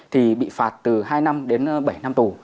thì bị phạt từ hai năm đến bảy năm tù